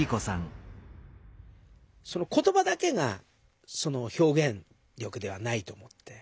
言ばだけが表現力ではないと思って。